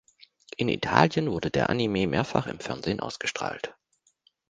In Italien wurde der Anime mehrfach im Fernsehen ausgestrahlt.